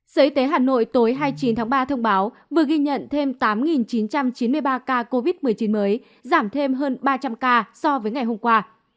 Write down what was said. sở y tế hà nội tối hai mươi chín tháng ba thông báo vừa ghi nhận thêm tám chín trăm chín mươi ba ca covid một mươi chín mới giảm thêm hơn ba trăm linh ca so với ngày hôm qua